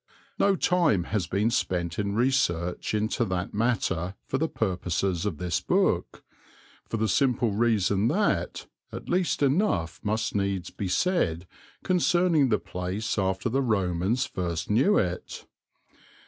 No time has been spent in research into that matter for the purposes of this book, for the simple reason that at least enough must needs be said concerning the place after the Romans first knew it.